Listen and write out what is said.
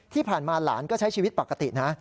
ที่ผ่านมาหลานก็ใช้ชีวิตปกตินะ